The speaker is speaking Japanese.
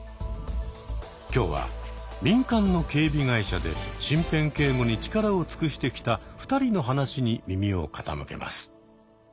今日は民間の警備会社で身辺警護に力を尽くしてきた２人の話に耳を傾けます。